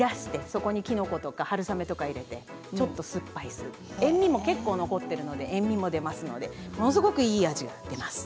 そこに、きのこや春雨を入れてちょっと酸っぱいスープ塩みも結構残っているので塩みも出ますのでものすごくいい味が出ます。